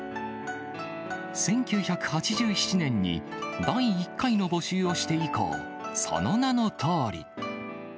１９８７年に、第１回の募集をして以降、その名のとおり。